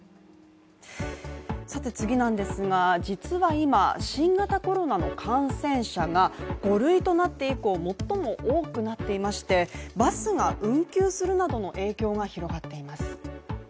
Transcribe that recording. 実は今、新型コロナの感染者が５類となって以降、最も多くなっていましてバスが運休するなどの影響が広がっています。